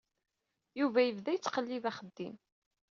Yuba yebda yettqellib axeddim.